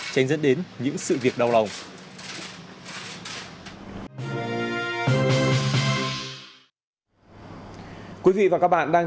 tránh dẫn đến những sự việc đau lòng